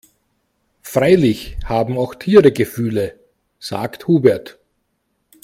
Freilich haben auch Tiere Gefühle, sagt Hubert.